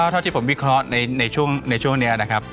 เท่าที่ผมวิเคราะห์ในช่วงนี้นะครับ